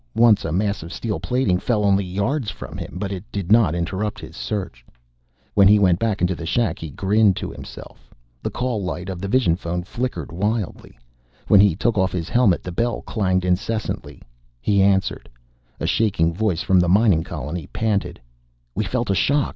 Once a mass of steel plating fell only yards from him, but it did not interrupt his search. When he went into the shack, he grinned to himself. The call light of the vision phone flickered wildly. When he took off his helmet the bell clanged incessantly. He answered. A shaking voice from the mining colony panted: "We felt a shock!